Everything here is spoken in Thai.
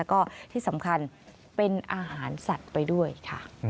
ก็ที่สำคัญเป็นอาหารสัตว์ไปด้วยค่ะ